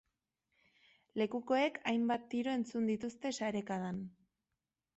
Lekukoek hainbat tiro entzun dituzte sarekadan.